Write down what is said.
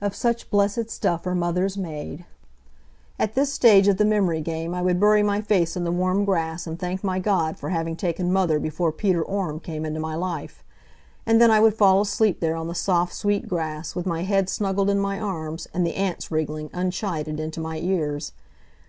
Of such blessed stuff are mothers made. At this stage of the memory game I would bury my face in the warm grass and thank my God for having taken Mother before Peter Orme came into my life. And then I would fall asleep there on the soft, sweet grass, with my head snuggled in my arms, and the ants wriggling, unchided, into my ears.